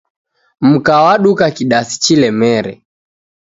Mka waduka kidasi chilemere